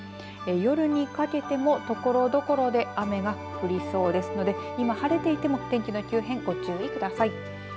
夜にかけても、ところどころで雨が降りそうですので今、晴れていても天気の急変、ご注意ください。